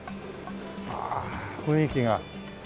ああ雰囲気が。